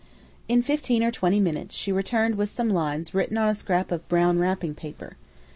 In fifteen or twenty minutes she returned with some lines written on a scrap of brown wrapping paper.